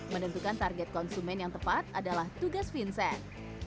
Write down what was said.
menentukan target konsumen yang tepat adalah tugas vincent